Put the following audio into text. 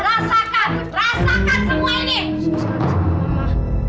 rasakan semua ini